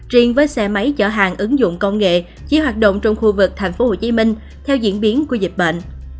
riêng với xe máy chở hàng ứng dụng công nghệ chỉ hoạt động trong khu vực tp hcm theo diễn biến của dịch bệnh